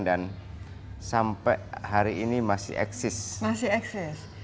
dan sampai hari ini masih eksis